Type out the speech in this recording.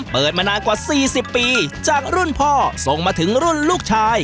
เปิดมานานกว่า๔๐ปีจากรุ่นพ่อส่งมาถึงรุ่นลูกชาย